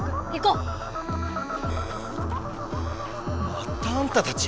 またあんたたち！